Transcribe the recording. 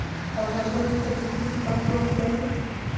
افغانستان کې کندز سیند د خلکو د خوښې وړ ځای دی.